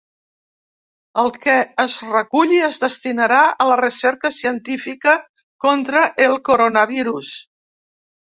El que es reculli es destinarà a la recerca científica contra el coronavirus.